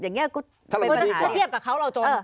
อย่างนี้ถ้าเทียบกับเขาเราจน